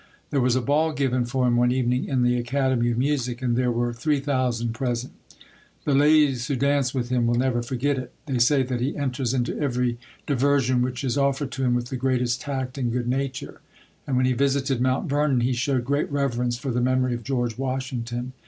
There was a ball given for him one evening in the Academy of Music and there were 3,000 present. The ladies who danced with him will never forget it. They say that he enters into every diversion which is offered to him with the greatest tact and good nature, and when he visited Mount Vernon he showed great reverence for the memory of George Washington.